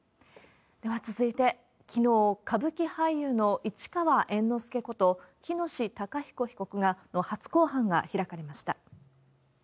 では続いて、きのう、歌舞伎俳優の市川猿之助こと、喜熨斗孝彦被告の初公判が開かれました。